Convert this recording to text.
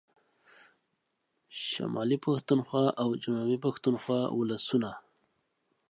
شمالي پښتونخوا او جنوبي پښتونخوا ولسونو